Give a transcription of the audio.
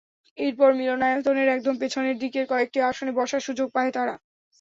এরপর মিলনায়তনের একদম পেছনের দিকের কয়েকটি আসনে বসার সুযোগ পায় তারা।